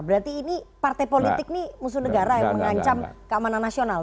berarti ini partai politik ini musuh negara yang mengancam keamanan nasional